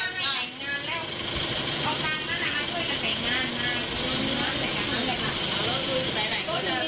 ก็เขาไม่รู้ว่าคุณคำจริงหรือไม่จริงหรืออะไรแบบนี้